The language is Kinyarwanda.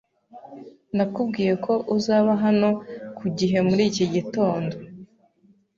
Nakubwiye ko uzaba hano ku gihe muri iki gitondo.